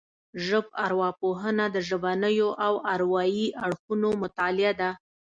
ژبارواپوهنه د ژبنيو او اروايي اړخونو مطالعه ده